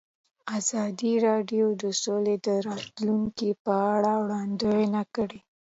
ازادي راډیو د سوله د راتلونکې په اړه وړاندوینې کړې.